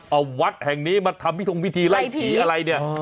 เอาวัดแห่งนี้มาทำพิธงพิธีไล่ผีอะไรเนี่ย